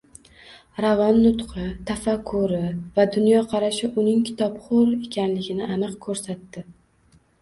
Ravon nutqi, tafakkuri va dunyoqarashi uning kitobxo'r ekanligini aniq ko'rsatdi...